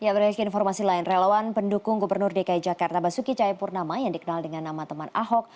ya berdak informasi lain relawan pendukung gubernur dki jakarta basuki cahayapurnama yang dikenal dengan nama teman ahok